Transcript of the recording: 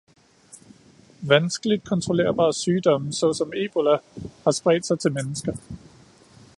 Vanskeligt kontrollerbare sygdomme såsom ebola har spredt sig til mennesker.